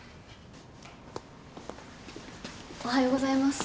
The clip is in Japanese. おはようございます。